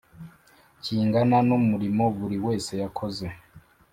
Kingana n umurimo buri wese yakoze